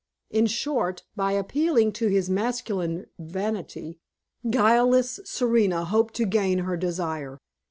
In short, by appealing to his masculine vanity, guileless Serena hoped to gain her desire.